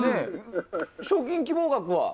賞金希望額は？